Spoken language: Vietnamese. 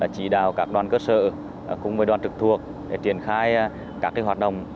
chỉ đào các đoàn cơ sở cùng với đoàn trực thuộc để triển khai các hoạt động